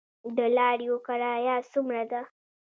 د لاریو کرایه څومره ده؟